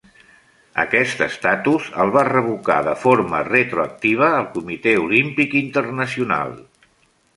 Aquest estatus, el va revocar de forma retroactiva el Comitè Olímpic Internacional.